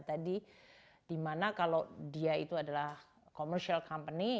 atau ipr nya tadi di mana kalau dia itu adalah commercial company